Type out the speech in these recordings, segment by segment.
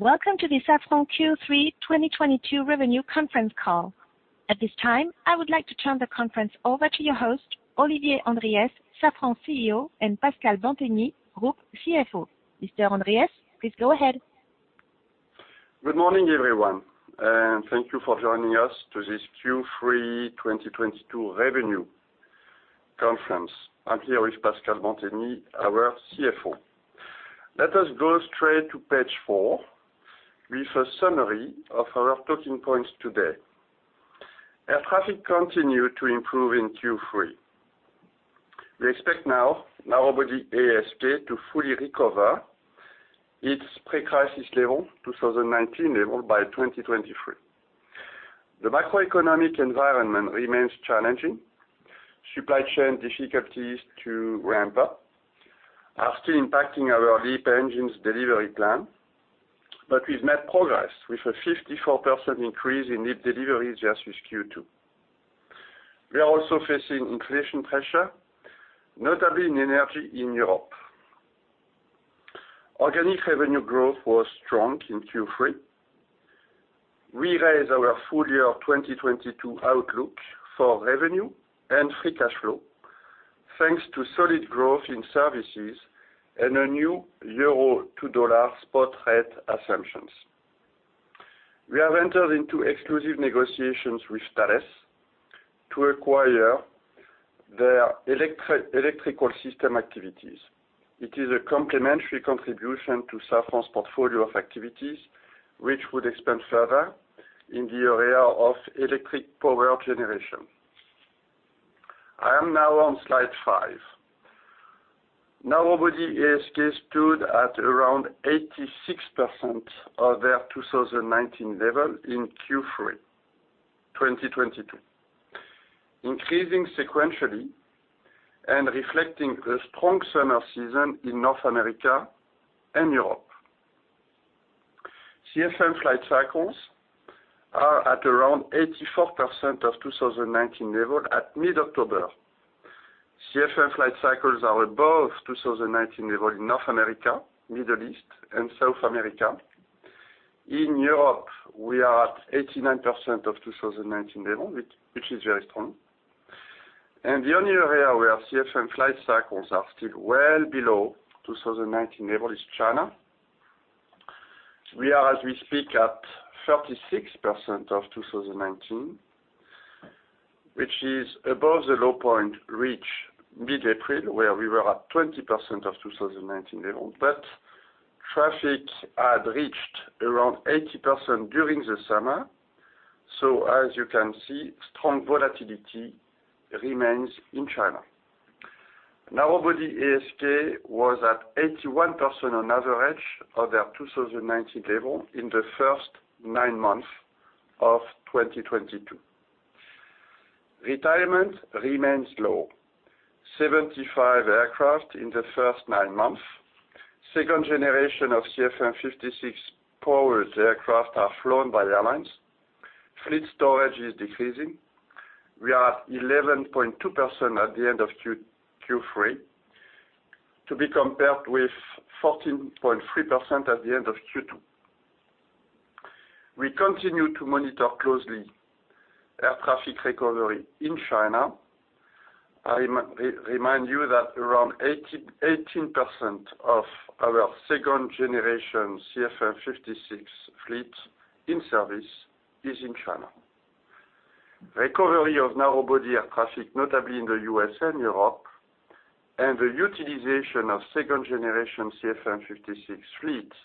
Welcome to the Safran Q3 2022 Revenue Conference Call. At this time, I would like to turn the conference over to your host, Olivier Andriès, Safran CEO, and Pascal Bantegnie, Group CFO. Mr. Andriès, please go ahead. Good morning, everyone, and thank you for joining us to this Q3 2022 revenue conference. I'm here with Pascal Bantegnie, our CFO. Let us go straight to page four with a summary of our talking points today. Air traffic continued to improve in Q3. We expect now narrow-body ASK to fully recover its pre-crisis level, 2019 level, by 2023. The macroeconomic environment remains challenging. Supply chain difficulties to ramp up are still impacting our LEAP engines delivery plan. We've made progress with a 54% increase in LEAP deliveries versus Q2. We are also facing inflation pressure, notably in energy in Europe. Organic revenue growth was strong in Q3. We raised our full-year of 2022 outlook for revenue and free cash flow, thanks to solid growth in services and a new euro to dollar spot rate assumptions. We have entered into exclusive negotiations with Thales to acquire their electrical system activities. It is a complementary contribution to Safran's portfolio of activities, which would expand further in the area of electric power generation. I am now on slide five. Narrow-body ASK stood at around 86% of their 2019 level in Q3 2022, increasing sequentially and reflecting the strong summer season in North America and Europe. CFM flight cycles are at around 84% of 2019 level at mid-October. CFM flight cycles are above 2019 level in North America, Middle East, and South America. In Europe, we are at 89% of 2019 level, which is very strong. The only area where CFM flight cycles are still well below 2019 level is China. We are, as we speak, at 36% of 2019, which is above the low point reached mid-April, where we were at 20% of 2019 level. Traffic had reached around 80% during the summer. As you can see, strong volatility remains in China. Narrow-body ASK was at 81% on average of their 2019 level in the first nine months of 2022. Retirement remains low, 75 aircraft in the first nine months. Second generation of CFM56-powered aircraft are flown by airlines. Fleet storage is decreasing. We are at 11.2% at the end of Q3, to be compared with 14.3% at the end of Q2. We continue to monitor closely air traffic recovery in China. I remind you that around 18% of our second generation CFM56 fleet in service is in China. Recovery of narrow-body air traffic, notably in the U.S. and Europe, and the utilization of second generation CFM56 fleets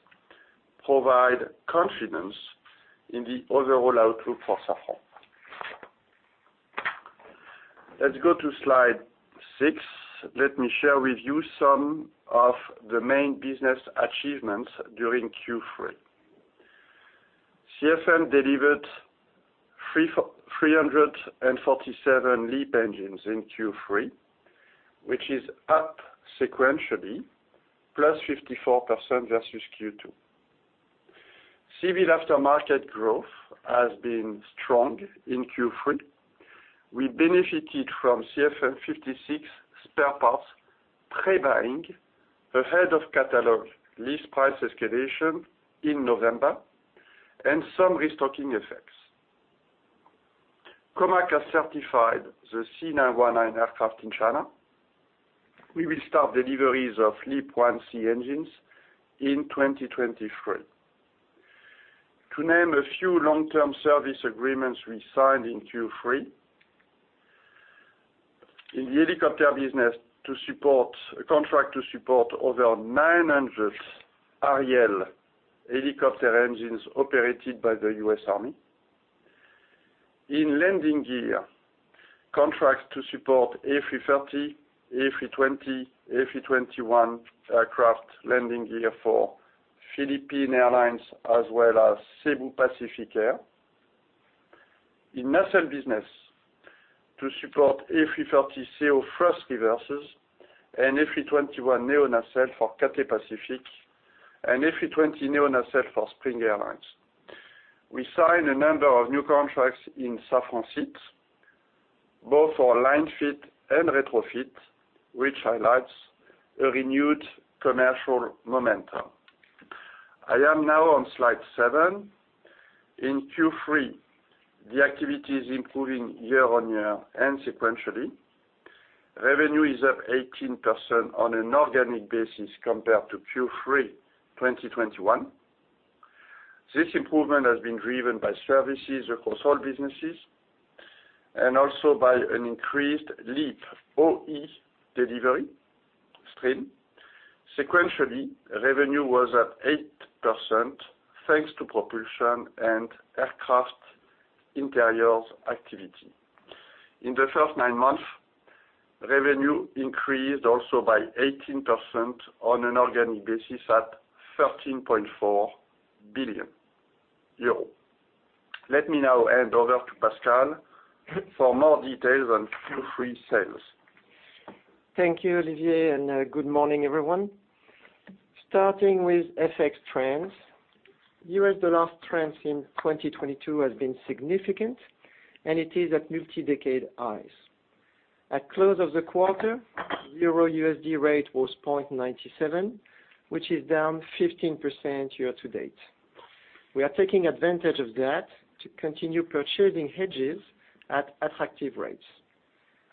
provide confidence in the overall outlook for Safran. Let's go to slide six. Let me share with you some of the main business achievements during Q3. CFM delivered 347 LEAP engines in Q3, which is up sequentially, +54% versus Q2. Civil aftermarket growth has been strong in Q3. We benefited from CFM56 spare parts pre-buying ahead of catalog list price escalation in November and some restocking effects. COMAC has certified the C919 aircraft in China. We will start deliveries of LEAP-1C engines in 2023. To name a few long-term service agreements we signed in Q3, in the helicopter business to support over 900 Arriel helicopter engines operated by the U.S. Army. In landing gear, contracts to support A330, A320, A321 aircraft landing gear for Philippine Airlines as well as Cebu Pacific Air. In Nacelle business to support A330 CEO thrust reversers and A321neo nacelle for Cathay Pacific and A320neo nacelle for Spring Airlines. We signed a number of new contracts in Safran Seats. Both for line fit and retrofit, which highlights a renewed commercial momentum. I am now on slide seven. In Q3, the activity is improving year-on-year and sequentially. Revenue is up 18% on an organic basis compared to Q3 2021. This improvement has been driven by services across all businesses and also by an increased LEAP OE delivery stream. Sequentially, revenue was at 8%, thanks to propulsion and aircraft interiors activity. In the first nine months, revenue increased also by 18% on an organic basis at 13.4 billion euro. Let me now hand over to Pascal for more details on Q3 sales. Thank you, Olivier, and good morning, everyone. Starting with FX trends. U.S. dollar trends in 2022 has been significant, and it is at multi-decade highs. At close of the quarter, euro-USD rate was 0.97, which is down 15% year to date. We are taking advantage of that to continue purchasing hedges at attractive rates.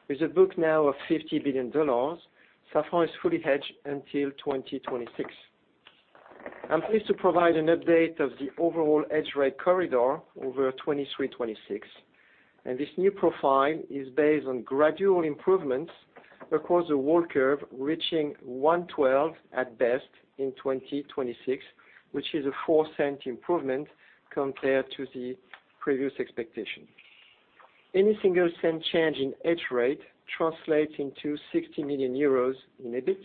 With a book now of $50 billion, Safran is fully hedged until 2026. I'm pleased to provide an update of the overall hedge rate corridor over 2023-2026, and this new profile is based on gradual improvements across the forward curve, reaching 1.12 at best in 2026, which is a $0.04 Improvement compared to the previous expectation. Any single-cent change in hedge rate translates into 60 million euros in EBIT,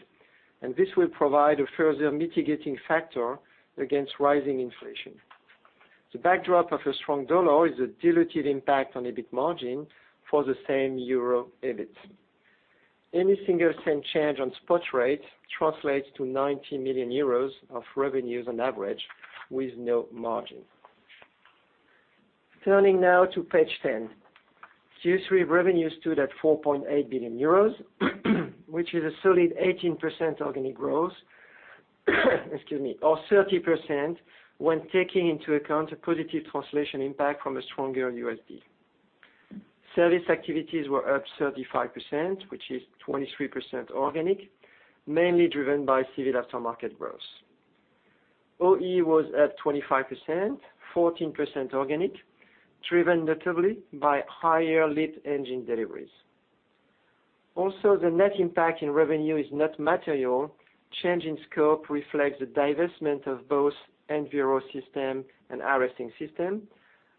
and this will provide a further mitigating factor against rising inflation. The backdrop of a strong dollar is a diluted impact on EBIT margin for the same euro EBIT. Any single cent change on spot rate translates to 90 million euros of revenues on average with no margin. Turning now to page 10. Q3 revenues stood at 4.8 billion euros, which is a solid 18% organic growth. Excuse me. Or 30% when taking into account a positive translation impact from a stronger USD. Service activities were up 35%, which is 23% organic, mainly driven by civil aftermarket growth. OE was at 25%, 14% organic, driven notably by higher LEAP engine deliveries. Also, the net impact in revenue is not material. Change in scope reflects the divestment of both Enviro Systems and Arresting Systems,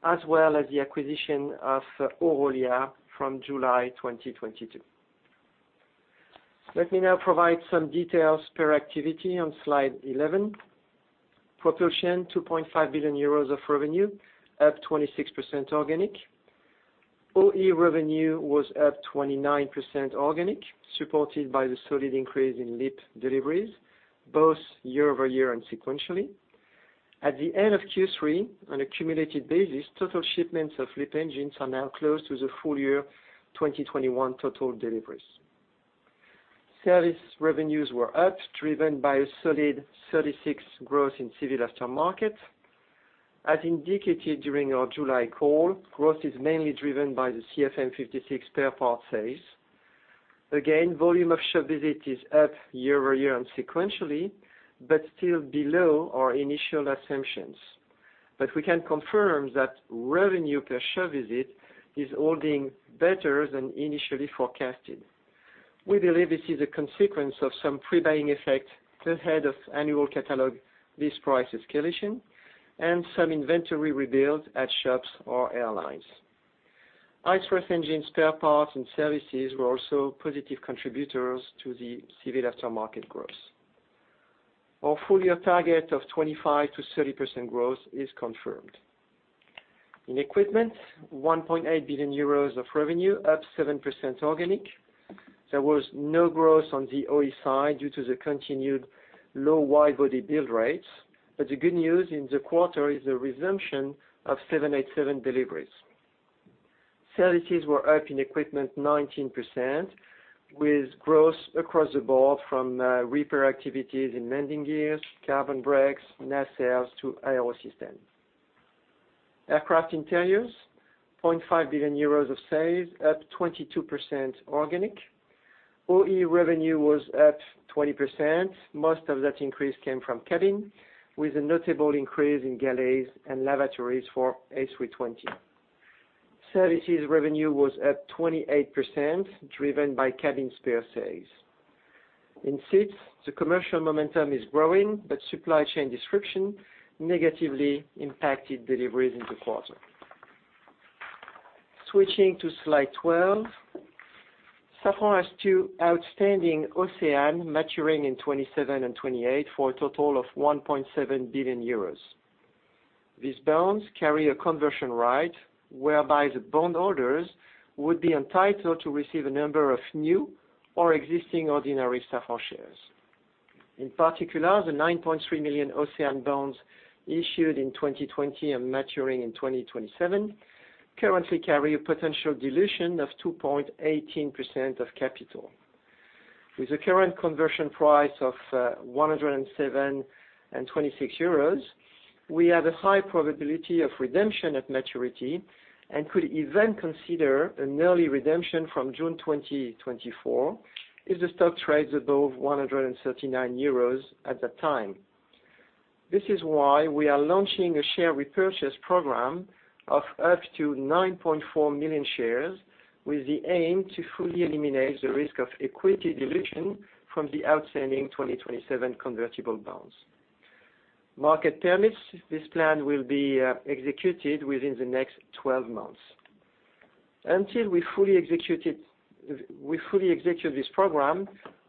as well as the acquisition of Orolia from July 2022. Let me now provide some details per activity on slide 11. Propulsion, 2.5 billion euros of revenue, up 26% organic. OE revenue was up 29% organic, supported by the solid increase in LEAP deliveries, both year-over-year and sequentially. At the end of Q3, on a cumulative basis, total shipments of LEAP engines are now close to the full-year 2021 total deliveries. Sales revenues were up, driven by a solid 36% growth in civil aftermarket. As indicated during our July call, growth is mainly driven by the CFM56 spare parts sales. Again, volume of shop visit is up year-over-year and sequentially, but still below our initial assumptions. We can confirm that revenue per shop visit is holding better than initially forecasted. We believe this is a consequence of some pre-buying effect ahead of annual catalog list prices escalation and some inventory rebuild at shops or airlines. LEAP engine spare parts and services were also positive contributors to the civil aftermarket growth. Our full-year target of 25%-30% growth is confirmed. In equipment, 1.8 billion euros of revenue, up 7% organic. There was no growth on the OE side due to the continued low wide-body build rates. The good news in the quarter is the resumption of 787 deliveries. Services were up in equipment 19% with growth across the board from repair activities in landing gears, carbon brakes, nacelles to avionics systems. Aircraft interiors, 0.5 billion euros of sales, up 22% organic. OE revenue was up 20%. Most of that increase came from cabin, with a notable increase in galleys and lavatories for A320. Services revenue was up 28%, driven by cabin spare sales. In seats, the commercial momentum is growing, but supply chain disruption negatively impacted deliveries in the quarter. Switching to slide 12. Safran has two outstanding OCEANE maturing in 2027 and 2028 for a total of 1.7 billion euros. These bonds carry a conversion right whereby the bond holders would be entitled to receive a number of new or existing ordinary Safran shares. In particular, the 9.3 million OCEANE bonds issued in 2020 and maturing in 2027 currently carry a potential dilution of 2.18% of capital. With a current conversion price of 107.26 euros, we have a high probability of redemption at maturity and could even consider an early redemption from June 2024 if the stock trades above 139 euros at that time. This is why we are launching a share repurchase program of up to 9.4 million shares with the aim to fully eliminate the risk of equity dilution from the outstanding 2027 convertible bonds. Market permits, this plan will be executed within the next 12 months. Until we fully execute this program,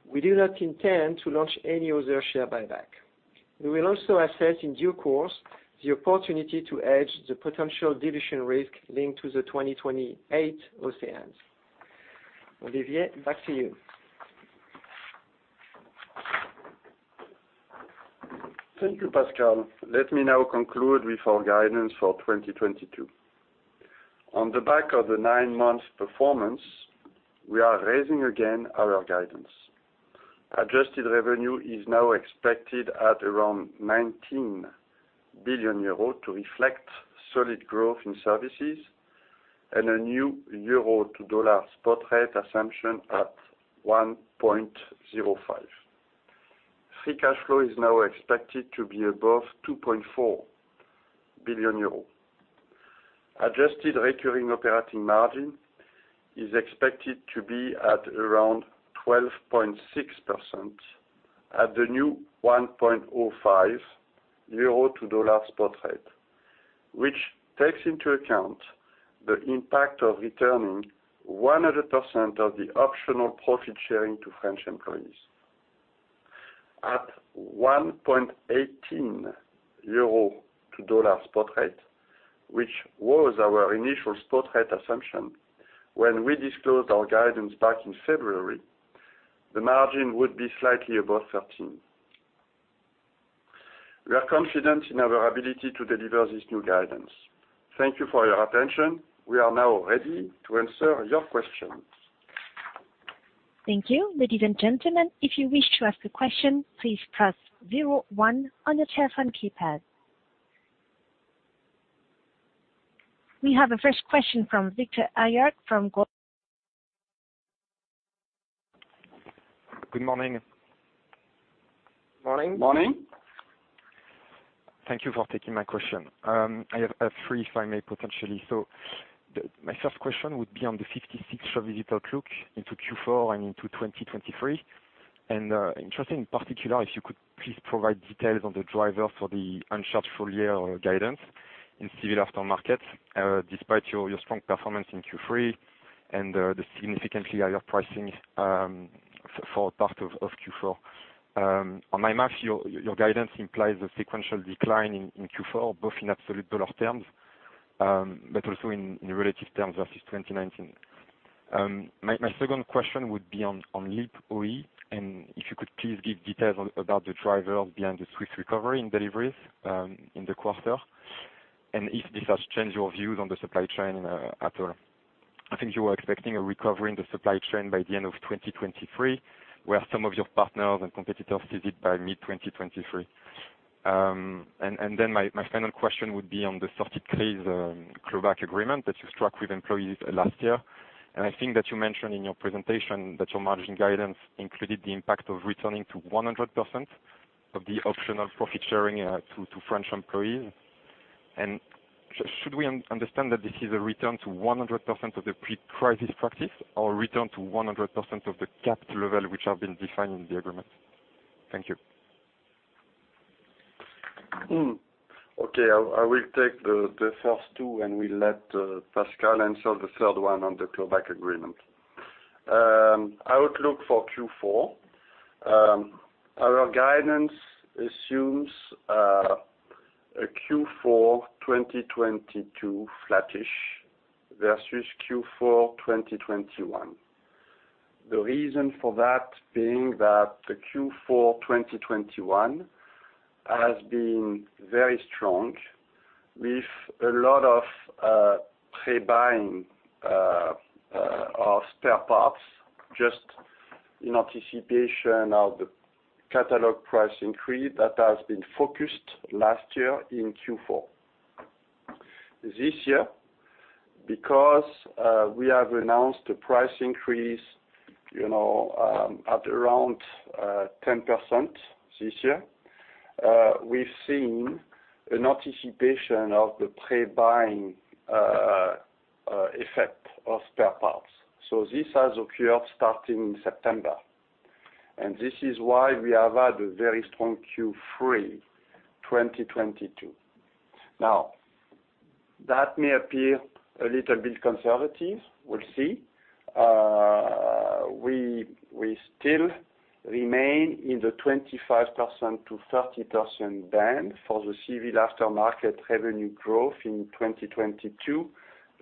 we do not intend to launch any other share buyback. We will also assess, in due course, the opportunity to hedge the potential dilution risk linked to the 2028 OCEANE. Olivier, back to you. Thank you, Pascal. Let me now conclude with our guidance for 2022. On the back of the nine-month performance, we are raising again our guidance. Adjusted revenue is now expected at around 19 billion euros to reflect solid growth in services and a new euro to dollar spot rate assumption at 1.05. Free cash flow is now expected to be above 2.4 billion euro. Adjusted recurring operating margin is expected to be at around 12.6% at the new 1.05 euro to dollar spot rate, which takes into account the impact of returning 100% of the optional profit sharing to French employees. At 1.18 euro to dollar spot rate, which was our initial spot rate assumption when we disclosed our guidance back in February, the margin would be slightly above 13%. We are confident in our ability to deliver this new guidance. Thank you for your attention. We are now ready to answer your questions. Thank you. Ladies and gentlemen, if you wish to ask a question, please press zero one on your telephone keypad. We have a first question from Victor Allard from Goldman Sachs Good morning. Morning. Morning. Thank you for taking my question. I have three if I may, potentially. My first question would be on the CFM56 service outlook into Q4 and into 2023. Interested in particular, if you could please provide details on the driver for the unchanged full-year guidance in civil aftermarket, despite your strong performance in Q3 and the significantly higher pricing for part of Q4. On my math, your guidance implies a sequential dec line in Q4, both in absolute dollar terms, but also in relative terms versus 2019. My second question would be on LEAP OE, and if you could please give details about the driver behind the swift recovery in deliveries in the quarter, and if this has changed your views on the supply chain at all. I think you were expecting a recovery in the supply chain by the end of 2023, where some of your partners and competitors see it by mid-2023. Then my final question would be on the solidarity claims, clawback agreement that you struck with employees, last year. I think that you mentioned in your presentation that your margin guidance included the impact of returning to 100% of the optional profit sharing, to French employees. Should we understand that this is a return to 100% of the pre-crisis practice or a return to 100% of the capped level which have been defined in the agreement? Thank you. I will take the first two, and we'll let Pascal answer the third one on the clawback agreement. Outlook for Q4, our guidance assumes a Q4 2022 flattish versus Q4 2021. The reason for that being that the Q4 2021 has been very strong with a lot of pre-buying of spare parts just in anticipation of the catalog price increase that has been focused last year in Q4. This year, because we have announced a price increase, you know, at around 10% this year, we've seen an anticipation of the pre-buying effect of spare parts. This has occurred starting in September, and this is why we have had a very strong Q3 2022. Now, that may appear a little bit conservative. We'll see. We still remain in the 25%-30% band for the civil aftermarket revenue growth in 2022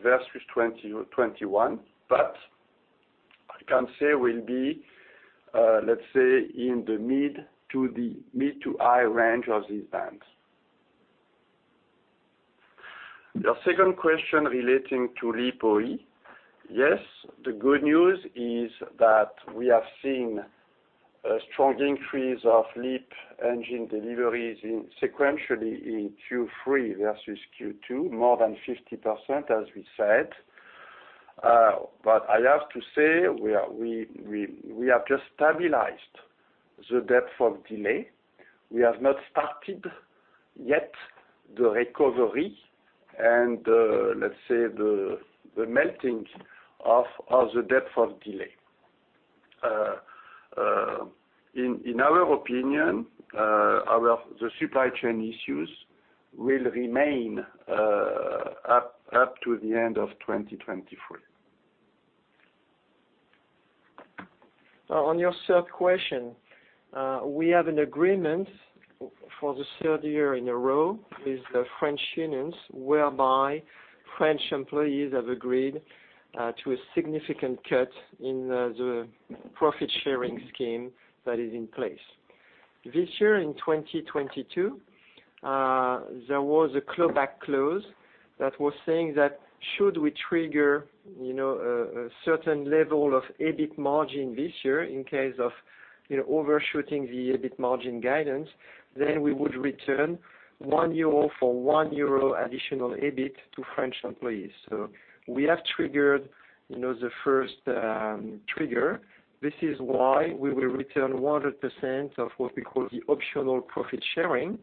versus 2021. I can say it will be, let's say, in the mid- to high range of these bands. Your second question relating to LEAP OE. Yes, the good news is that we have seen a strong increase of LEAP engine deliveries sequentially in Q3 versus Q2, more than 50%, as we said. I have to say, we have just stabilized the depth of delay. We have not started yet the recovery and, let's say, the melting of the depth of delay. In our opinion, the supply chain issues will remain up to the end of 2023. On your third question, we have an agreement for the third year in a row with the French unions, whereby French employees have agreed to a significant cut in the profit-sharing scheme that is in place. This year, in 2022, there was a clawback clause that was saying that should we trigger, you know, a certain level of EBIT margin this year in case of, you know, overshooting the EBIT margin guidance, then we would return 1 euro for 1 euro additional EBIT to French employees. We have triggered, you know, the first trigger. This is why we will return 100% of what we call the optional profit sharing.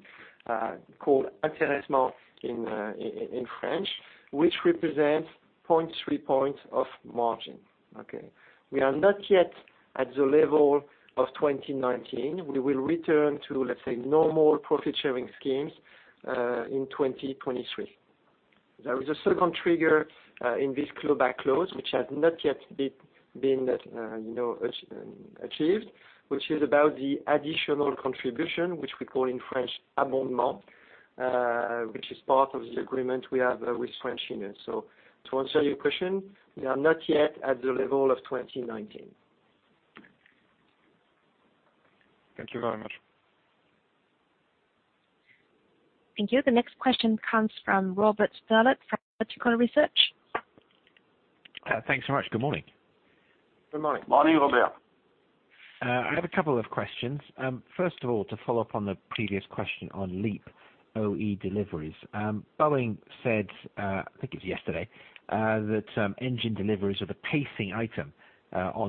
I'll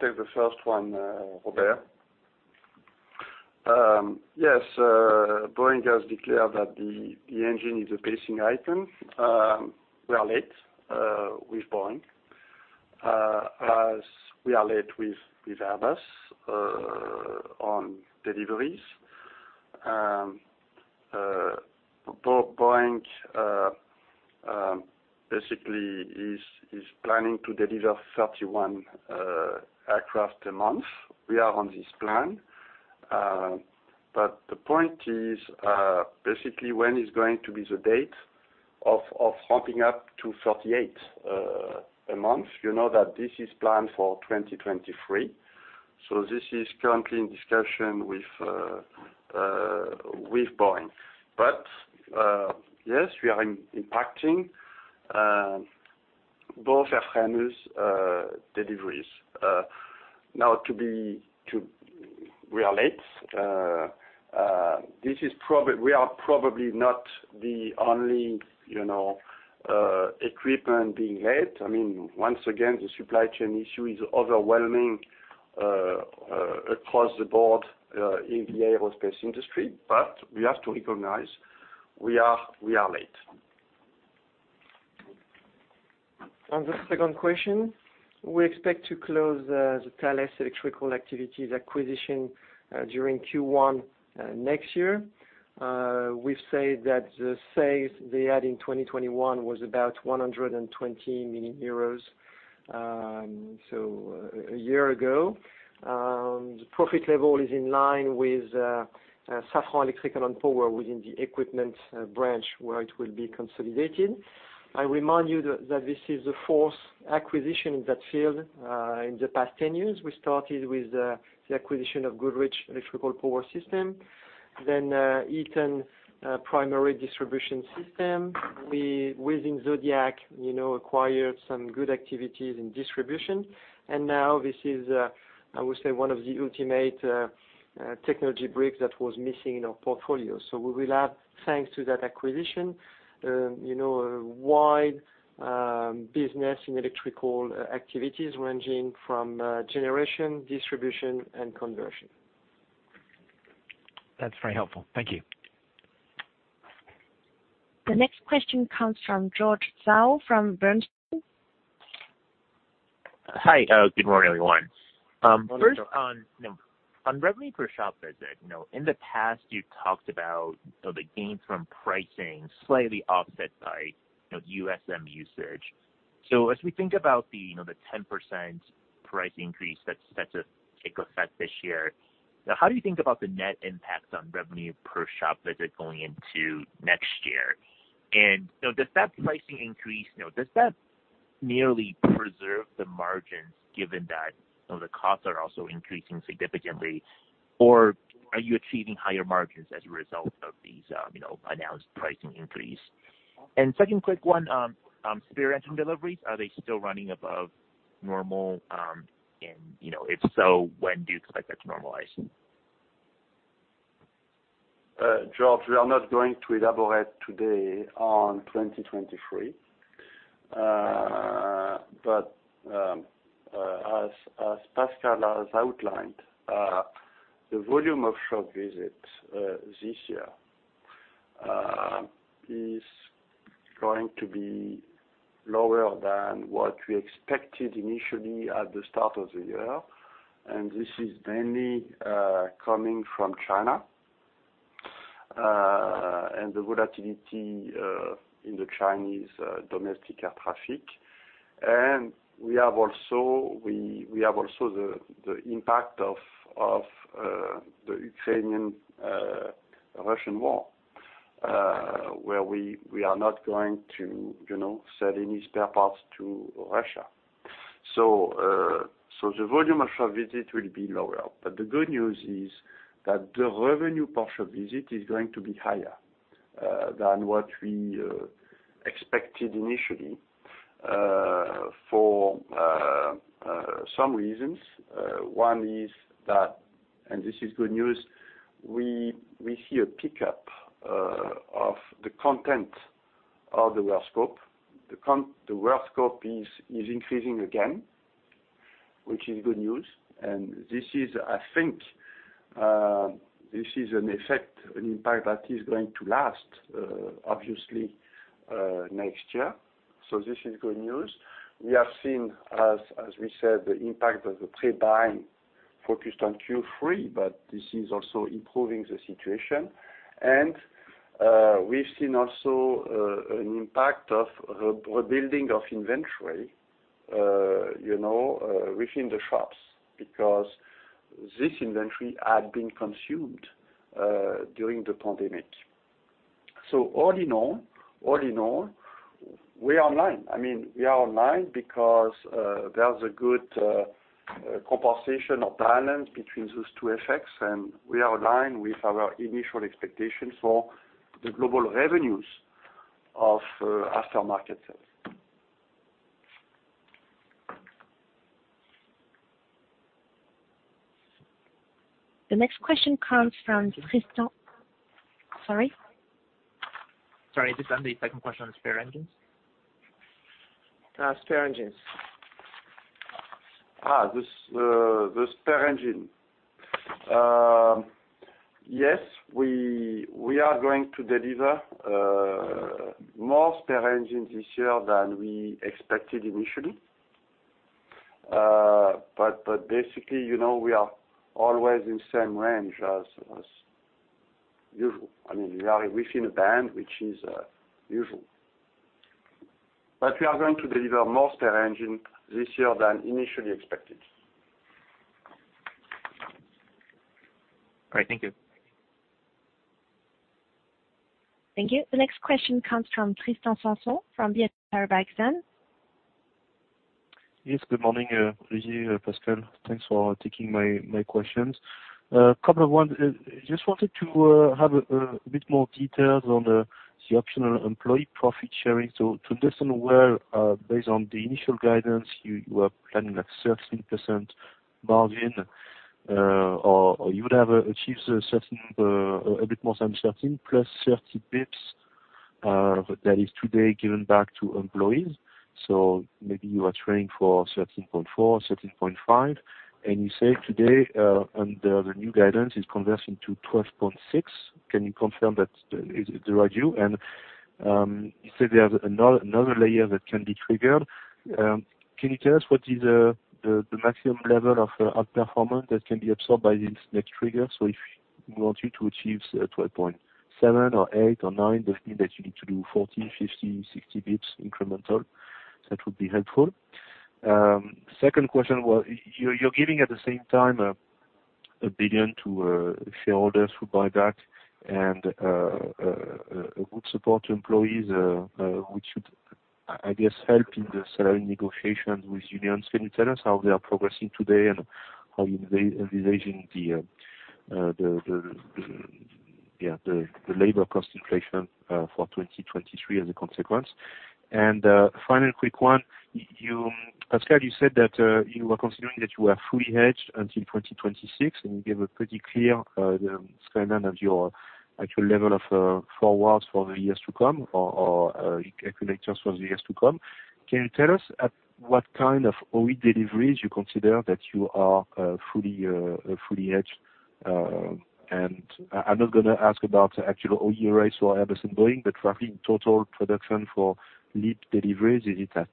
take the first one, Robert. Yes, Boeing has declared that the engine is a pacing item. We are late with Boeing, as we are late with Airbus on deliveries. Boeing basically is planning to deliver 31 aircraft a month. We are on this plan. The point is, basically when is going to be the date of ramping up to 38 a month? You know that this is planned for 2023. This is currently in discussion with Boeing. Yes, we are impacting both airframers' deliveries. We are late. We are probably not the only, you know, equipment being late. I mean, once again, the supply chain issue is overwhelming across the board in the aerospace industry, but we have to recognize we are late. On the second question, we expect to close the Thales electrical activities acquisition during Q1 next year. We've said that the sales they had in 2021 was about 120 million euros, so a year ago. The profit level is in line with Safran Electrical & Power within the equipment branch where it will be consolidated. I remind you that this is the fourth acquisition in that field in the past 10 years. We started with the acquisition of Goodrich Electrical Power Systems, then Eaton Primary Distribution System. We within Zodiac you know acquired some good activities in distribution. Now this is I would say one of the ultimate technology bricks that was missing in our portfolio. We will have, thanks to that acquisition, you know, a wide business in electrical activities ranging from generation, distribution, and conversion. That's very helpful. Thank you. The next question comes from George Zhao from Bernstein. Hi, good morning, everyone. First on revenue per shop visit, you know, in the past you talked about the gains from pricing slightly offset by USM usage. As we think about the 10% price increase that's set to take effect this year, how do you think about the net impact on revenue per shop visit going into next year? And, you know, does that pricing increase, you know, does that merely preserve the margins gven that the costs are also increasing significantly, or are you achieving higher margins as a result of these, you know, announced pricing increase? Second quick one, spare engine deliveries, are they still running above normal? And, you know, if so, when do you expect that to normalize? George Zhao, we are not going to elaborate today on 2023. As Pascal Bantegnie has outlined, the volume of shop visits this year is going to be lower than what we expected initially at the start of the year, and this is mainly coming from China and the volatility in the Chinese domestic air traffic. We have also the impact of the Ukrainian Russian war, where we are not going to, you know, sell any spare parts to Russia. The volume of shop visits will be lower. The good news is that the revenue per shop visit is going to be higher than what we expected initially for some reasons. One is that, this is good news, we see a pickup of the content of the workscope. The workscope is increasing again, which is good news. This is, I think, this is an effect, an impact that is going to last, obviously, next year. This is good news. We have seen as we said, the impact of the trade buy focused on Q3, but this is also improving the situation. We've seen also an impact of rebuilding of inventory, you know, within the shops because this inventory had been consumed during the pandemic. All in all, we are in line. I mean, we are in line because there's a good compensation or balance between those two effects, and we are aligned with our initial expectations for the global revenues of aftermarket sales. The next question comes from Tristan. Sorry. Sorry, this is on the second question on spare engines. Spare engines. The spare engine. Yes, we are going to deliver more spare engines this year than we expected initially. But basically, you know, we are always in same range as usual. I mean, we are within a band which is usual. We are going to deliver more spare engine this year than initially expected. All right. Thank you. Thank you. The next question comes from Tristan Sanson, from BNP Paribas Exane. Yes. Good morning, Olivier, Pascal. Thanks for taking my questions. Couple of questions. Just wanted to have a bit more details on the optional employee profit sharing. To understand where, based on the initial guidance, you are planning like 13% margin or you would have achieved a certain a bit more than 13%+, 30 basis points that is today given back to employees. Maybe you are trending for 13.4%, 13.5%. You say today under the new guidance is converging to 12.6%. Can you confirm that is the right view? You said there's another layer that can be triggered. Can you tell us what is the maximum level of outperformance that can be absorbed by this next trigger? If we want you to achieve 12.7 or eight or nine, does it mean that you need to do 40, 50, 60 bps incremental? That would be helpful. Second question was you're giving at the same time 1 billion to shareholders who buy back and a good support to employees, which should, I guess, help in the salary negotiations with unions. Can you tell us how they are progressing today and how you're navigating the labor cost inflation for 2023 as a consequence? Final quick one. Pascal, you said that you were considering that you are fully hedged until 2026, and you gave a pretty clear statement of your actual level of forwards for the years to come or equivalents for the years to come. Can you tell us at what kind of OE deliveries you consider that you are fully hedged? I'm not gonna ask about actual OE rates or everything going, but roughly total production for LEAP deliveries, is it at,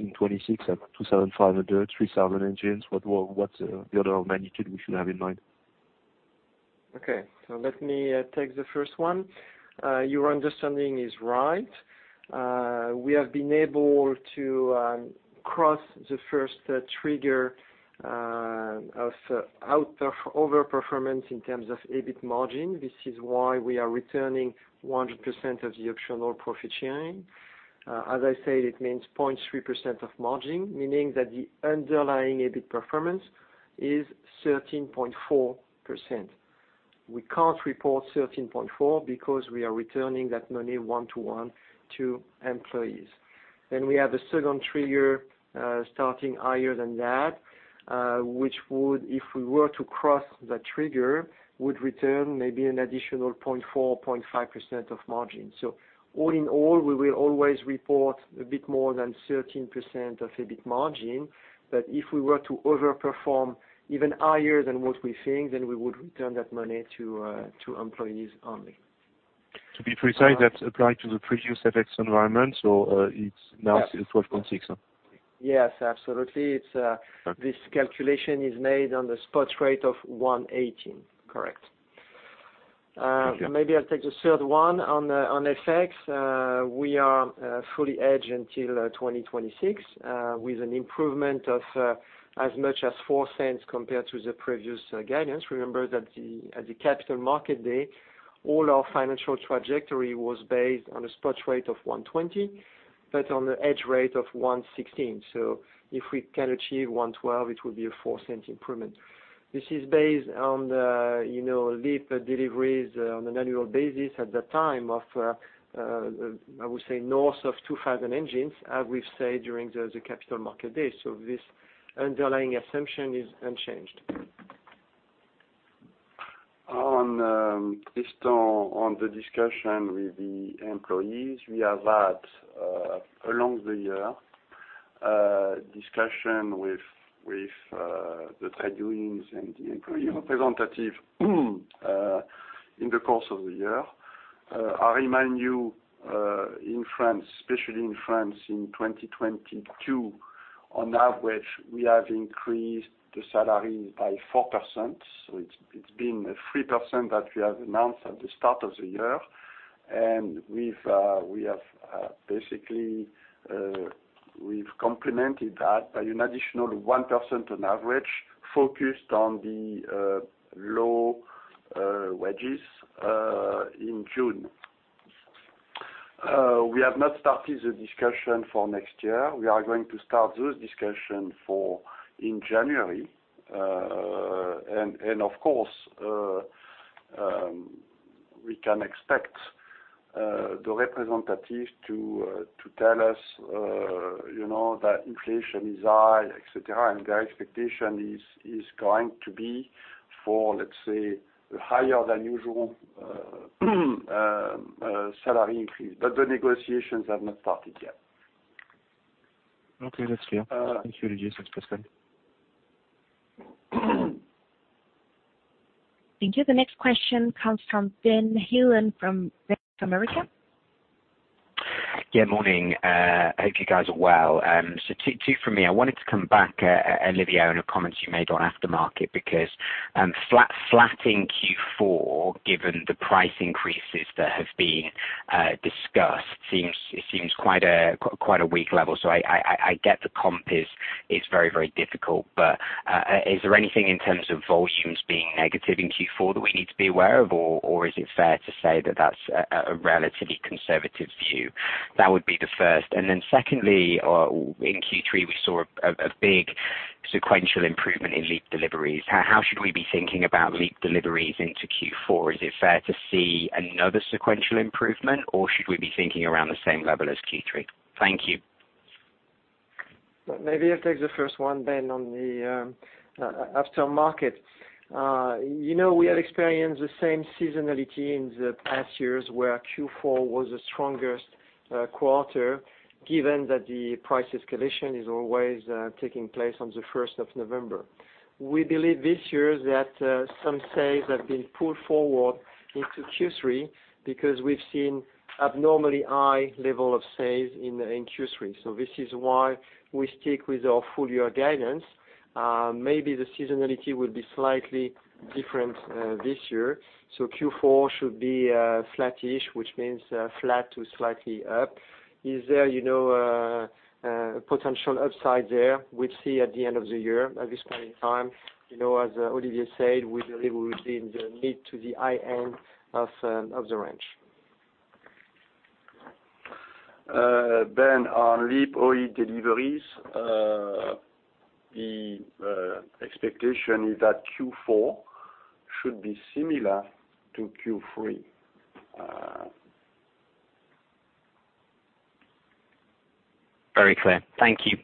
in 2026 at 2,500, 3,000 engines, what's the other magnitude we should have in mind? Okay. Let me take the first one. Your understanding is right. We have been able to cross the first trigger of over-performance in terms of EBIT margin. This is why we are returning 100% of the optional profit sharing. As I said, it means 0.3% of margin, meaning that the underlying EBIT performance is 13.4%. We can't report 13.4% because we are returning that money one to one to employees. We have a second trigger starting higher than that, which would, if we were to cross the trigger, would return maybe an additional 0.4%, 0.5% of margin. All in all, we will always report a bit more than 13% of EBIT margin. If we were to overperform even higher than what we think, then we would return that money to employees only. To be precise, that's applied to the previous FX environment, so, it's now- Yes. -12.6. Yes, absolutely. Okay. This calculation is made on the spot rate of 1.18. Correct. Thank you. Maybe I'll take the third one on FX. We are fully hedged until 2026 with an improvement of as much as $0.04s compared to the previous guidance. Remember that at the Capital Markets Day, all our financial trajectory was based on a spot rate of 1.20, but on a hedge rate of 1.16. If we can achieve 1.12, it will be a $0.04s improvement. This is based on the, you know, LEAP deliveries on an annual basis at the time of, I would say, north of 2,000 engines, as we've said during the Capital Markets Day. This underlying assumption is unchanged. Based on the discussion with the employees, we have had along the year discussion with the trade unions and the employee representative in the course of the year. I remind you in France, especially in France in 2022, on average, we have increased the salary by 4%. It's been 3% that we have announced at the start of the year. We've basically complemented that by an additional 1% on average focused on the low wages in June. We have not started the discussion for next year. We are going to start those discussions in January. Of course, we can expect the representatives to tell us, you know, that inflation is high, et cetera, and their expectation is going to be for, let's say, higher than usual salary increase. The negotiations have not started yet. Okay. That's clear. Uh. Thank you, Olivier. Thanks, Pascal. Thank you. The next question comes from Ben Heelan from Bank of America. Morning. Hope you guys are well. Two for me. I wanted to come back, Olivier, on a comment you made on aftermarket because flat in Q4, given the price increases that have been discussed seems it seems quite a quite a weak level. I get the comp is very difficult. Is there anything in terms of volumes being negative in Q4 that we need to be aware of, or is it fair to say that that's a relatively conservative view? That would be the first. Secondly, in Q3, we saw a big sequential improvement in LEAP deliveries. How should we be thinking about LEAP deliveries into Q4? Is it fair to see another sequential improvement, or should we be thinking around the same level as Q3? Thank you. Maybe I'll take the first one, Ben, on the aftermarket. You know, we had experienced the same seasonality in the past years, where Q4 was the strongest quarter, given that the price escalation is always taking place on the first of November. We believe this year that some sales have been pulled forward into Q3 because we've seen abnormally high level of sales in Q3. This is why we stick with our full-year guidance. Maybe the seasonality will be slightly different this year. Q4 should be flattish, which means flat to slightly up. Is there potential upside there? We'll see at the end of the year. At this point in time, you know, as Olivier said, we believe we'll be in the mid to the high end of the range. Ben, on LEAP OE deliveries, the expectation is that Q4 should be similar to Q3. Very clear. Thank you.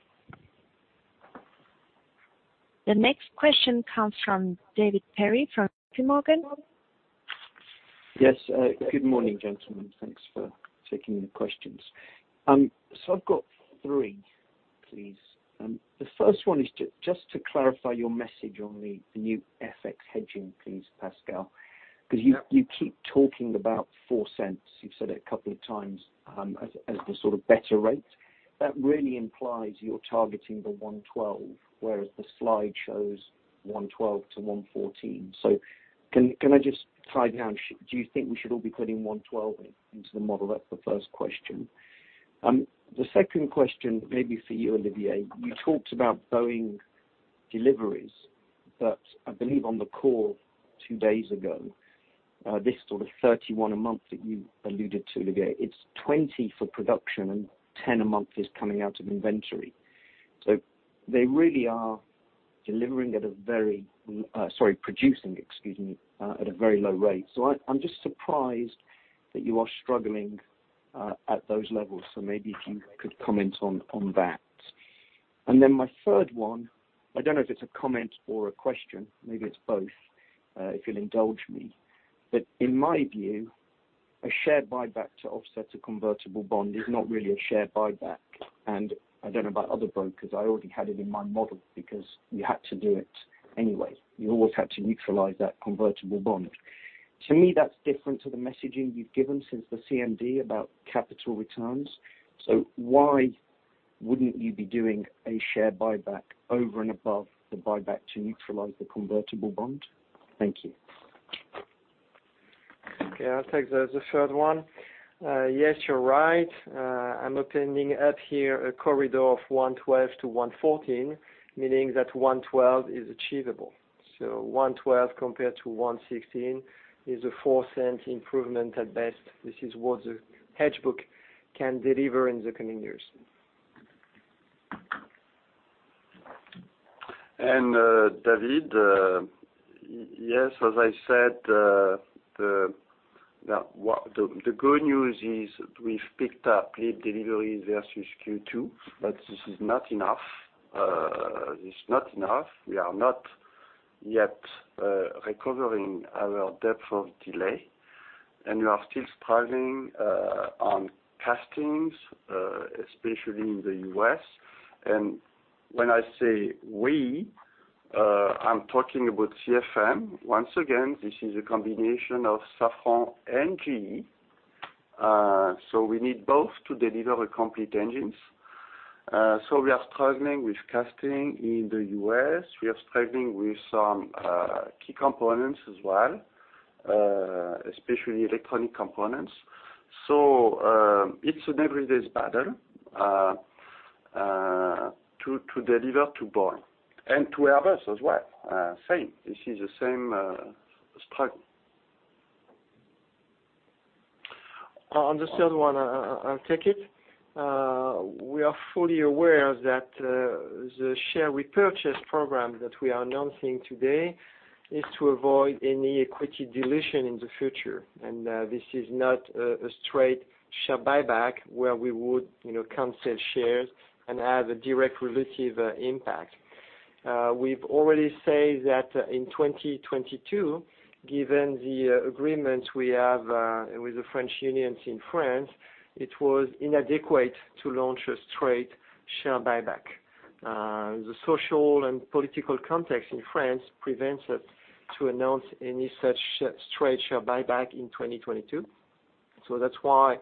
The next question comes from David Perry from JPMorgan. Yes. Good morning, gentlemen. Thanks for taking the questions. I've got three, please. The first one is just to clarify your message on the new FX hedging, please, Pascal. 'Cause you keep talking about $0.04, you've said it a couple of times, as the sort of better rate. That really implies you're targeting the 1.12, whereas the slide shows 1.12-1.14. Can I just tie down, do you think we should all be putting 1.12 into the model? That's the first question. The second question may be for you, Olivier. You talked about Boeing deliveries that I believe on the call two days ago, this sort of 31 a month that you alluded to today. It's 20 for production and 10 a month is coming out of inventory. They really are producing at a very low rate. I'm just surprised that you are struggling at those levels. Maybe if you could comment on that. Then my third one, I don't know if it's a comment or a question, maybe it's both, if you'll indulge me. In my view, a share buyback to offset a convertible bond is not really a share buyback. I don't know about other brokers. I already had it in my model because you had to do it anyway. You always had to neutralize that convertible bond. To me, that's different to the messaging you've given since the CMD about capital returns. Why wouldn't you be doing a share buyback over and above the buyback to neutralize the convertible bond? Thank you. Yeah, I'll take the third one. Yes, you're right. I'm aiming to hit here a corridor of 1.12-1.14, meaning that 1.12 is achievable. One twelve compared to 1.16 is a $0.04 improvement at best. This is what the hedge book can deliver in the coming years. David, yes, as I said, the good news is we've picked up LEAP deliveries versus Q2, but this is not enough. This is not enough. We are not yet recovering our depth of delay, and we are still struggling on castings, especially in the U.S. When I say we, I'm talking about CFM. Once again, this is a combination of Safran and GE. We need both to deliver the complete engines. We are struggling with casting in the U.S. We are struggling with some key components as well, especially electronic components. It's an everyday battle to deliver to Boeing and to others as well. Same. This is the same struggle. On the third one, I'll take it. We are fully aware that the share repurchase program that we are announcing today is to avoid any equity dilution in the future. This is not a straight share buyback where we would, you know, cancel shares and have a direct dilutive impact. We've already said that in 2022, given the agreements we have with the French unions in France, it was inadequate to launch a straight share buyback. The social and political context in France prevents us to announce any such straight share buyback in 2022. That's why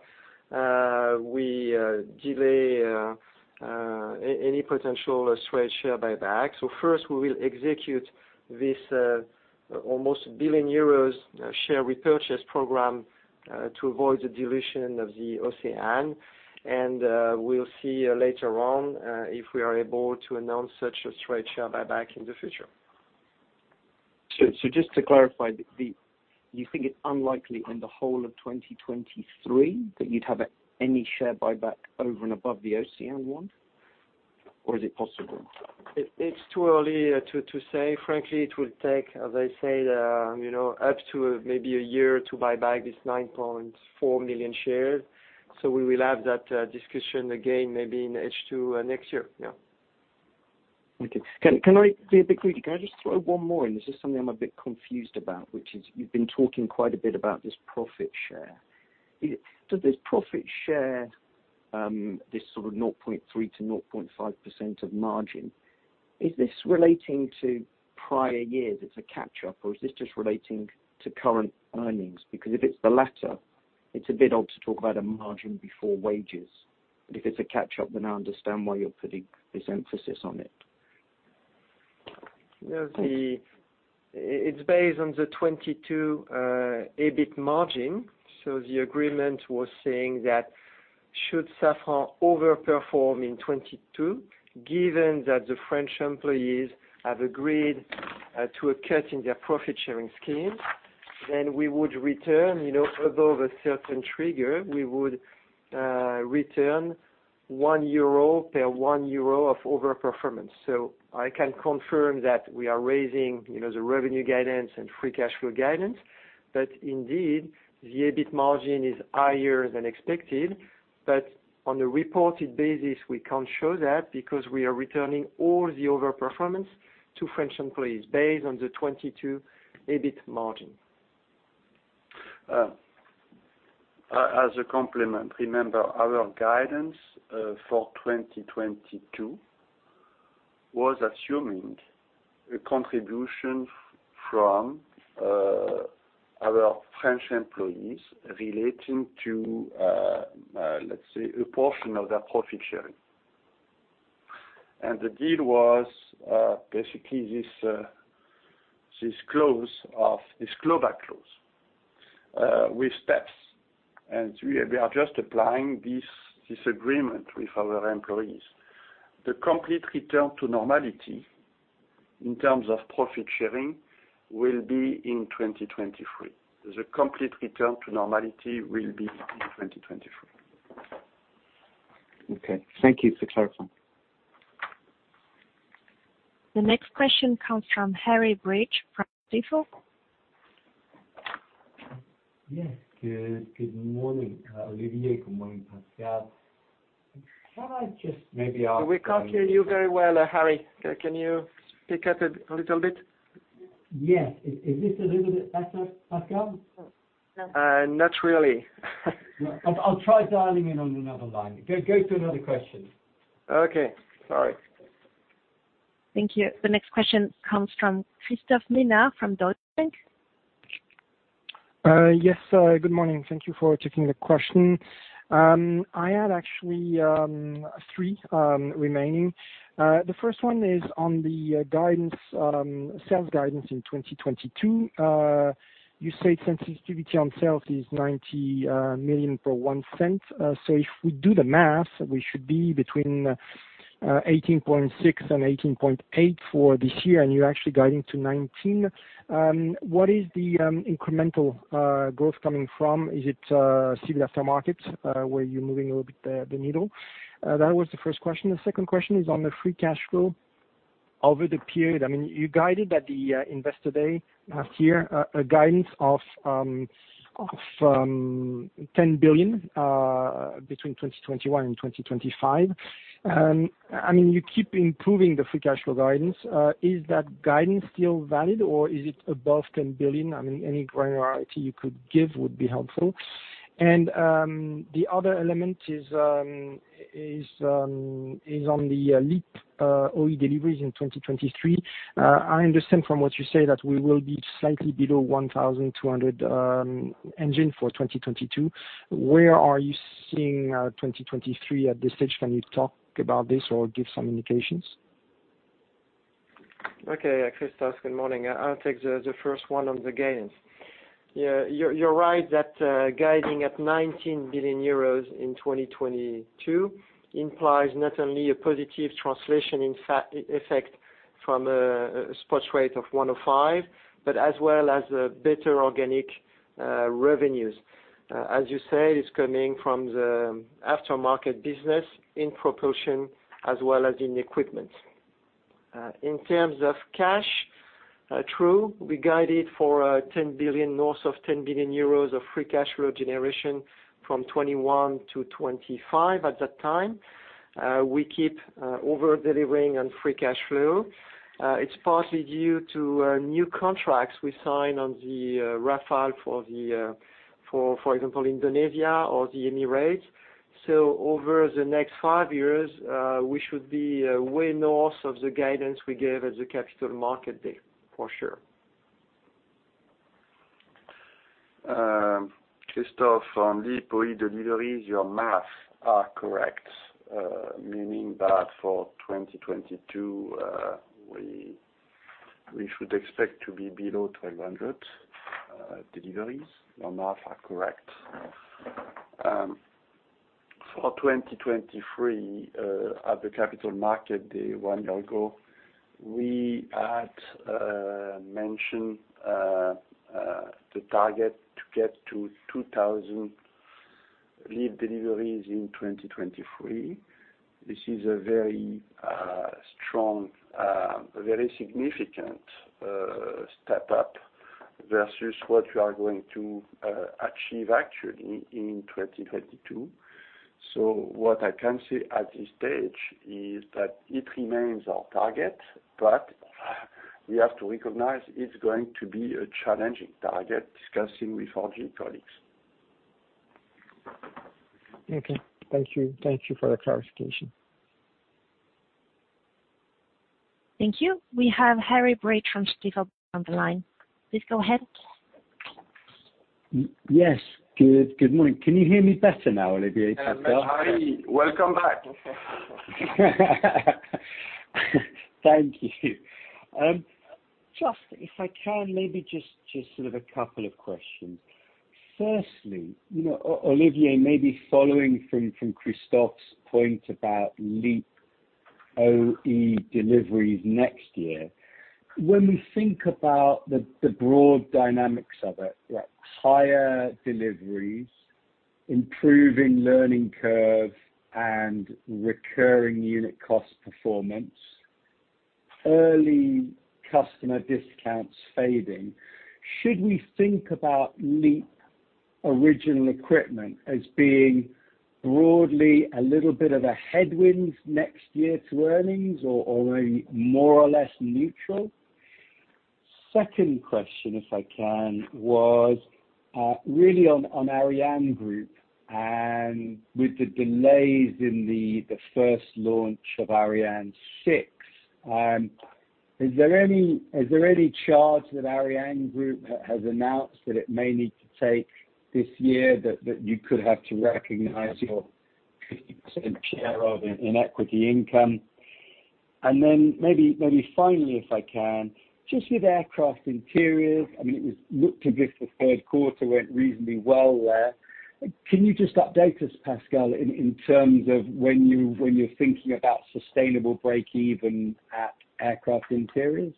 we delay any potential straight share buyback. First, we will execute this almost 1 billion euros share repurchase program to avoid the dilution of the OCEANE. We'll see later on if we are able to announce such a straight share buyback in the future. Just to clarify, you think it's unlikely in the whole of 2023 that you'd have any share buyback over and above the OCEANE one? Or is it possible? It's too early to say. Frankly, it will take, as I said, you know, up to maybe a year to buy back this 9.4 million shares. We will have that discussion again maybe in H2 next year. Yeah. Okay. Can I be a bit greedy? Can I just throw one more in? This is something I'm a bit confused about, which is you've been talking quite a bit about this profit share. Does this profit share, this sort of 0.3%-0.5% of margin, relate to prior years, it's a catch up, or is this just relating to current earnings? Because if it's the latter, it's a bit odd to talk about a margin before wages. If it's a catch up, then I understand why you're putting this emphasis on it. It's based on the 2022 EBIT margin. The agreement was saying that should Safran overperform in 2022, given that the French employees have agreed to a cut in their profit sharing scheme, then we would return, you know, above a certain trigger, we would return 1 euro per 1 euro of overperformance. I can confirm that we are raising, you know, the revenue guidance and free cash flow guidance. Indeed, the EBIT margin is higher than expected. On a reported basis, we can't show that because we are returning all the overperformance to French employees based on the 2022 EBIT margin. As a complement, remember our guidance for 2022 was assuming a contribution from our French employees relating to, let's say a portion of their profit sharing. The deal was basically this global clause with steps. We are just applying this agreement with our employees. The complete return to normality in terms of profit sharing will be in 2023. The complete return to normality will be in 2023. Okay. Thank you for clarifying. The next question comes from Harry Breach from Stifel. Yes. Good morning, Olivier. Good morning, Pascal. Can I just maybe ask? We can't hear you very well, Harry. Can you speak up a little bit? Yes. Is this a little bit better, Pascal? Not really. I'll try dialing in on another line. Go to another question. Okay. Sorry. Thank you. The next question comes from Christophe Menard from Deutsche Bank. Yes. Good morning. Thank you for taking the question. I had actually three remaining. The first one is on the sales guidance in 2022. You said sensitivity on sales is 90 million per 1%. So if we do the math, we should be between 18.6 billion and 18.8 billion for this year, and you're actually guiding to 19 billion. What is the incremental growth coming from? Is it civil aftermarket, where you're moving a little bit the needle? That was the first question. The second question is on the free cash flow over the period. I mean, you guided at the Investor Day last year, a guidance of 10 billion between 2021 and 2025. I mean, you keep improving the free cash flow guidance. Is that guidance still valid, or is it above 10 billion? I mean, any granularity you could give would be helpful. The other element is on the LEAP OE deliveries in 2023. I understand from what you say that we will be slightly below 1,200 engines for 2022. Where are you seeing 2023 at this stage? Can you talk about this or give some indications? Okay. Christophe, good morning. I'll take the first one on the guidance. Yeah. You're right that guiding at 19 billion euros in 2022 implies not only a positive translation in FX effect from a spot rate of 1.05, but as well as a better organic revenues. As you say, it's coming from the aftermarket business in Propulsion as well as in Equipment. In terms of cash, we guided for north of 10 billion euros of free cash flow generation from 2021 to 2025 at that time. We keep over-delivering on free cash flow. It's partly due to new contracts we sign on the Rafale, for example, Indonesia or the Emirates. Over the next five years, we should be way north of the guidance we gave at the Capital Markets Day, for sure. Christophe, on LEAP OE deliveries, your math are correct. Meaning that for 2022, we should expect to be below 1,200 deliveries. Your math are correct. For 2023, at the Capital Markets Day one year ago, we had mentioned the target to get to 2,000 LEAP deliveries in 2023. This is a very strong, very significant step-up versus what we are going to achieve actually in 2022. What I can say at this stage is that it remains our target, but we have to recognize it's going to be a challenging target discussing with our colleagues. Okay. Thank you. Thank you for the clarification. Thank you. We have Harry Breach from Stifel on the line. Please go ahead. Yes. Good morning. Can you hear me better now, Olivier and Christophe? Harry, welcome back. Thank you. Just if I can, maybe just sort of a couple of questions. Firstly, you know, Olivier, maybe following from Christophe's point about LEAP OE deliveries next year. When we think about the broad dynamics of it, right? Higher deliveries, improving learning curve, and recurring unit cost performance, early customer discounts fading. Should we think about LEAP original equipment as being broadly a little bit of a headwind next year to earnings or a more or less neutral? Second question, if I can, was really on ArianeGroup and with the delays in the first launch of Ariane 6. Is there any charge that ArianeGroup has announced that it may need to take this year that you could have to recognize your 50% share of in equity income? Maybe finally, if I can, just with aircraft interiors, I mean, it looked as if the third quarter went reasonably well there. Can you just update us, Pascal, in terms of when you're thinking about sustainable breakeven at aircraft interiors?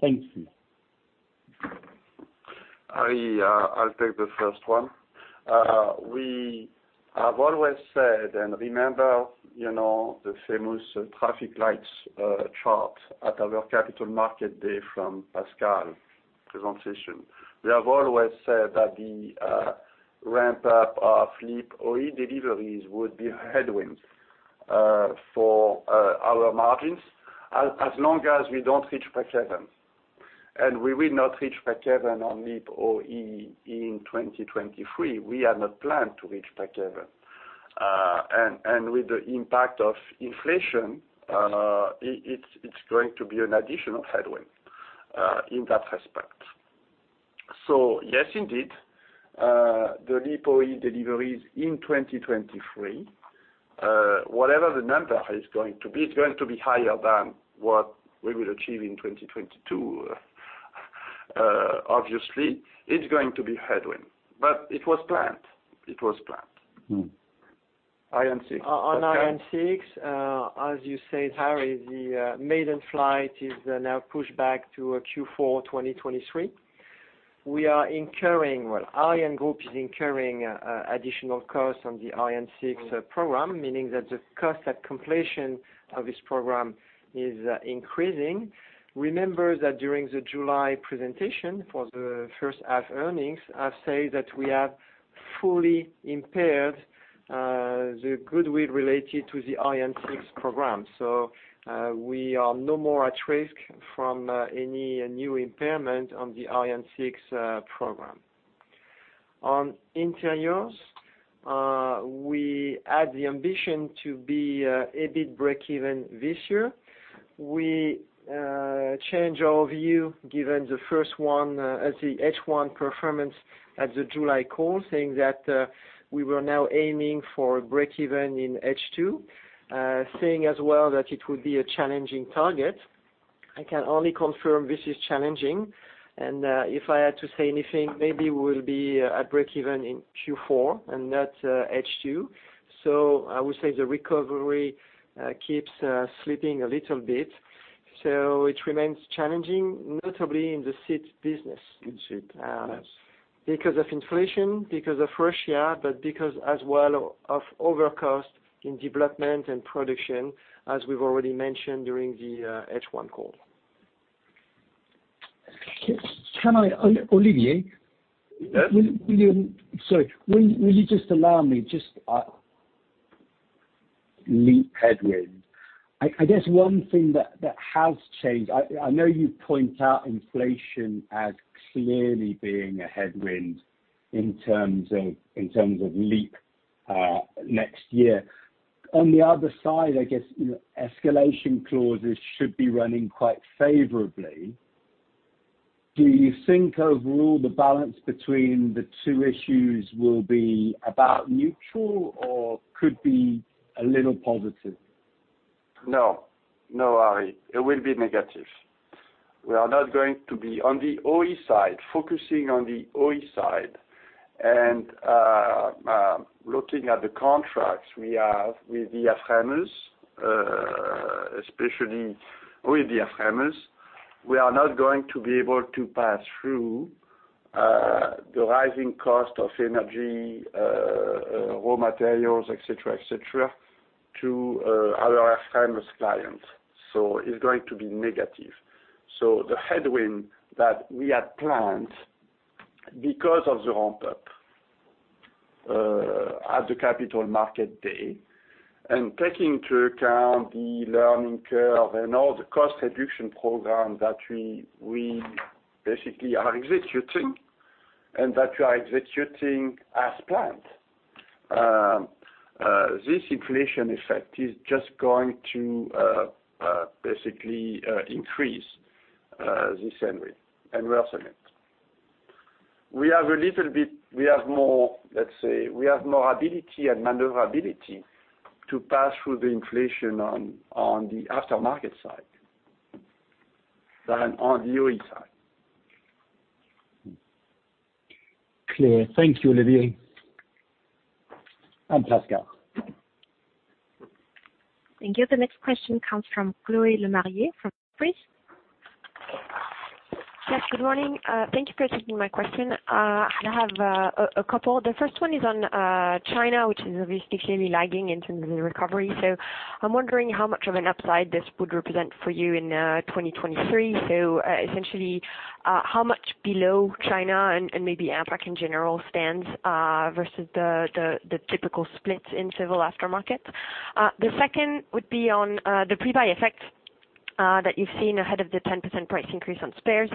Thank you. Harry, I'll take the first one. We have always said, and remember, you know, the famous traffic lights chart at our Capital Markets Day from Pascal Bantegnie presentation. We have always said that the ramp-up of LEAP deliveries would be headwind for our margins as long as we don't reach PAC-7. We will not reach PAC-7 on LEAP in 2023. We are not planned to reach PAC-7. And with the impact of inflation, it's going to be an additional headwind in that aspect. Yes, indeed, the LEAP deliveries in 2023, whatever the number is going to be, it's going to be higher than what we will achieve in 2022. Obviously, it's going to be headwind, but it was planned. It was planned. Mm. Ariane 6. On Ariane 6, as you said, Harry, the maiden flight is now pushed back to Q4 2023. ArianeGroup is incurring additional costs on the Ariane 6 program, meaning that the cost at completion of this program is increasing. Remember that during the July presentation for the first half earnings, I say that we have fully impaired the goodwill related to the Ariane 6 program. We are no more at risk from any new impairment on the Ariane 6 program. On interiors, we had the ambition to be a bit breakeven this year. We change our view given the first half, as the H1 performance at the July call, saying that we were now aiming for a breakeven in H2, saying as well that it would be a challenging target. I can only confirm this is challenging, and if I had to say anything, maybe we'll be at breakeven in Q4 and not H2. I would say the recovery keeps slipping a little bit. It remains challenging, notably in the seat business. In seat. Yes. Because of inflation, because of Russia, but because as well of overcost in development and production, as we've already mentioned during the H1 call. Can I, Olivier? Yes. Will, will you just allow me LEAP headwind. I guess one thing that has changed. I know you point out inflation as clearly being a headwind in terms of LEAP next year. On the other side, I guess escalation clauses should be running quite favorably. Do you think overall the balance between the two issues will be about neutral or could be a little positive? No. No, Harry. It will be negative. We are not going to be on the OE side, focusing on the OE side and looking at the contracts we have with the airframers, especially with the airframers. We are not going to be able to pass through the rising cost of energy, raw materials, et cetera, et cetera, to our airframer clients. It's going to be negative. The headwind that we had planned because of the ramp-up at the Capital Markets Day and taking into account the learning curve and all the cost reduction program that we are basically executing as planned, this inflation effect is just going to basically increase this headwind, and we are seeing it. We have a little bit more, let's say, ability and maneuverability to pass through the inflation on the aftermarket side than on the OE side. Clear. Thank you, Olivier. Pascal. Thank you. The next question comes from Chloé Lemarié from Jefferies. Yes, good morning. Thank you for taking my question. I have a couple. The first one is on China, which is obviously clearly lagging in terms of the recovery. I'm wondering how much of an upside this would represent for you in 2023. Essentially, how much below China and maybe APAC in general stands versus the typical splits in civil aftermarket? The second would be on the pre-buy effect. That you've seen ahead of the 10% price increase on spares.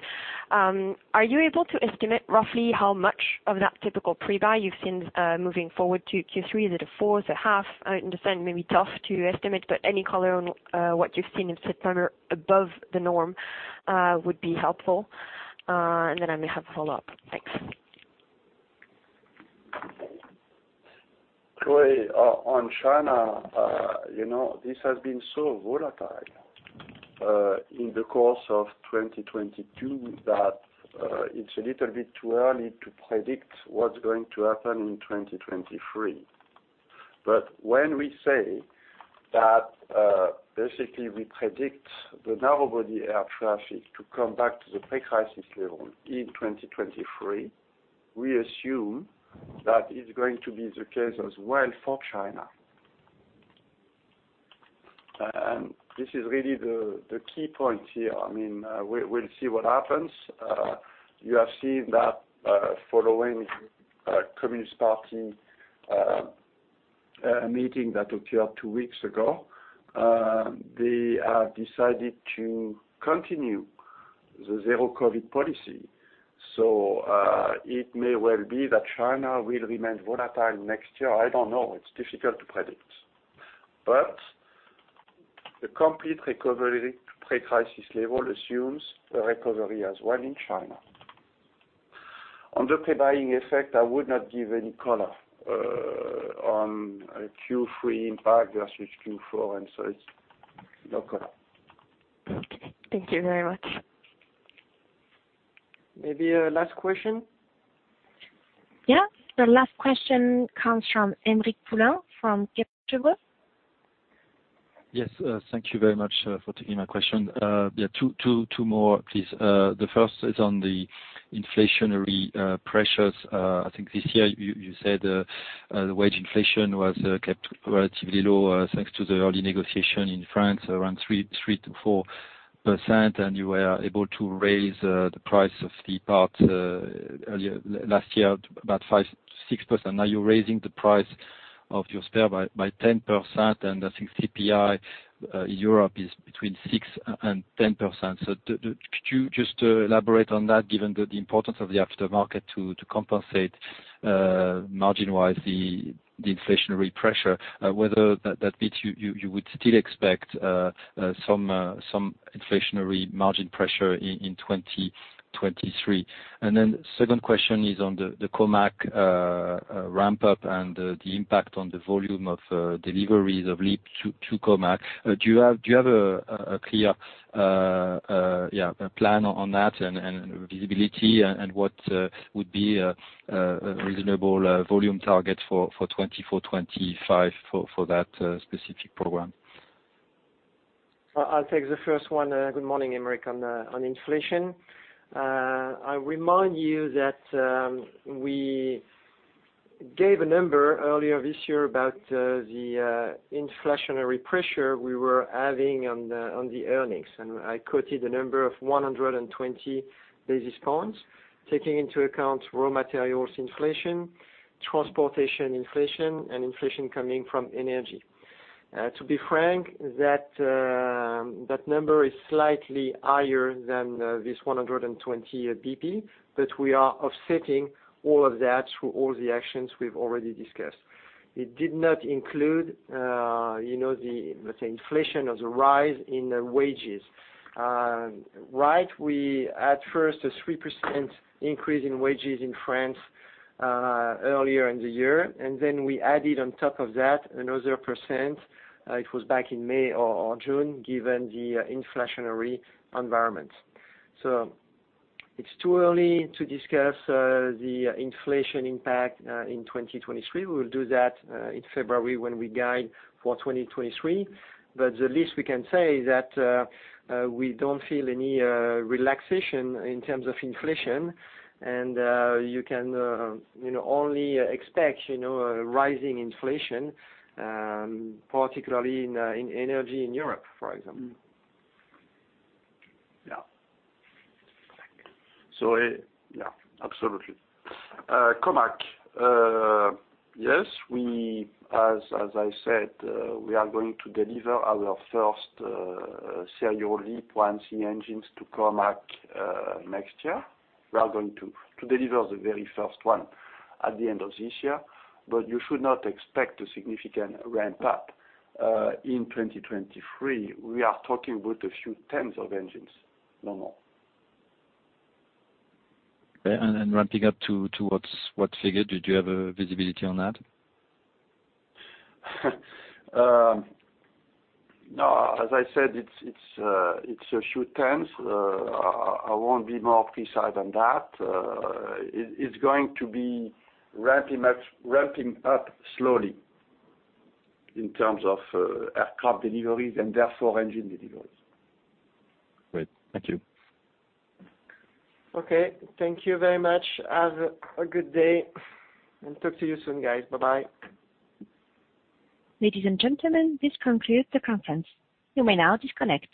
Are you able to estimate roughly how much of that typical pre-buy you've seen, moving forward to Q3? Is it a fourth? A half? I understand it may be tough to estimate, but any color on, what you've seen in September above the norm, would be helpful. I may have a follow-up. Thanks. Chloé, on China, you know, this has been so volatile in the course of 2022 that it's a little bit too early to predict what's going to happen in 2023. When we say that, basically we predict the narrow-body air traffic to come back to the pre-crisis level in 2023, we assume that it's going to be the case as well for China. This is really the key point here. I mean, we'll see what happens. You have seen that, following a Communist Party meeting that occurred two weeks ago, they have decided to continue the zero COVID policy. It may well be that China will remain volatile next year. I don't know. It's difficult to predict. The complete recovery to pre-crisis level assumes a recovery as well in China. On the pre-buying effect, I would not give any color on a Q3 impact versus Q4, and so it's no color. Thank you very much. Maybe a last question. Yeah. The last question comes from Aymeric Poulain from Kepler Cheuvreux. Yes. Thank you very much for taking my question. Yeah, two more, please. The first is on the inflationary pressures. I think this year you said the wage inflation was kept relatively low thanks to the early negotiation in France, around 3%-4%, and you were able to raise the price of the parts earlier last year, about 5%-6%. Now you're raising the price of your spare by 10%, and I think CPI in Europe is between 6%-10%. Could you just elaborate on that, given the importance of the aftermarket to compensate margin-wise the inflationary pressure, whether that means you would still expect some inflationary margin pressure in 2023? Second question is on the COMAC ramp-up and the impact on the volume of deliveries of LEAP to COMAC. Do you have a clear plan on that and visibility and what would be a reasonable volume target for 2024, 2025 for that specific program? I'll take the first one, good morning, Aymeric, on inflation. I remind you that we gave a number earlier this year about the inflationary pressure we were having on the earnings. I quoted a number of 120 basis points, taking into account raw materials inflation, transportation inflation, and inflation coming from energy. To be frank, that number is slightly higher than this 120 basis points, but we are offsetting all of that through all the actions we've already discussed. It did not include you know the let's say inflation or the rise in wages. Right, we had first a 3% increase in wages in France earlier in the year, and then we added on top of that another 1%, it was back in May or June, given the inflationary environment. It's too early to discuss the inflation impact in 2023. We will do that in February when we guide for 2023. The least we can say is that we don't feel any relaxation in terms of inflation and you can you know only expect you know a rising inflation, particularly in energy in Europe, for example. Mm-hmm. Yeah. Thank you. Yeah, absolutely. COMAC, yes, as I said, we are going to deliver our first serial LEAP-1C engines to COMAC next year. We are going to deliver the very first one at the end of this year, but you should not expect a significant ramp-up in 2023. We are talking about a few tens of engines, no more. Okay. Ramping-up to, towards what figure? Do you have a visibility on that? No. As I said, it's a few tens. I won't be more precise than that. It's going to be ramping up slowly in terms of aircraft deliveries and therefore engine deliveries. Great. Thank you. Okay. Thank you very much. Have a good day and talk to you soon, guys. Bye-bye. Ladies and gentlemen, this concludes the conference. You may now disconnect.